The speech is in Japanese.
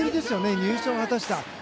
入賞を果たしたのは。